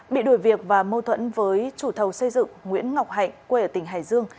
bị đuổi việc và mâu thuẫn với chủ thầu xây dựng nguyễn ngọc hạnh quê ở tỉnh hải dương